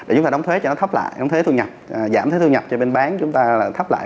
để chúng ta đóng thuế cho nó thấp lại đóng thuế thu nhập giảm thuế thu nhập cho bên bán chúng ta là thấp lại